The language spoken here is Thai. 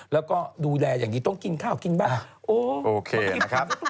แล้วก็ดูแลอย่างดีต้องกินข้าวกินบ้างโอ้โอเคนะครับ